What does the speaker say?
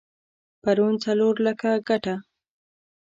پرون څلور لکه ګټه؛